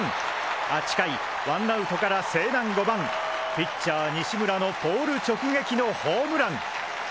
８回ワンアウトから勢南５番ピッチャー西村のポール直撃のホームラン！